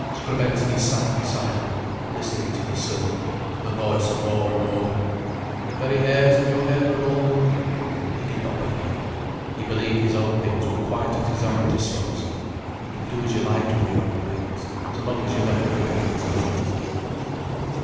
Skrebensky sat beside her, listening to the sermon, to the voice of law and order. "The very hairs of your head are all numbered." He did not believe it. He believed his own things were quite at his own disposal. You could do as you liked with your own things, so long as you left other people's alone.